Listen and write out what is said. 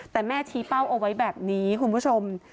แต่แม่ชี้เป้าเอาไว้แบบนี้คุณผู้ชม